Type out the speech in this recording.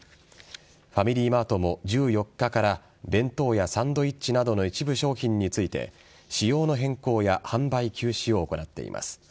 ファミリーマートも１４日から弁当やサンドイッチなどの一部商品について仕様の変更や販売休止を行っています。